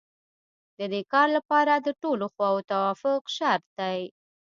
د دې کار لپاره د ټولو خواوو توافق شرط دی